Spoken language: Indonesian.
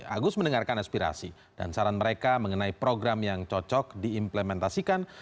agus mendengarkan aspirasi dan saran mereka mengenai program yang cocok diimplementasikan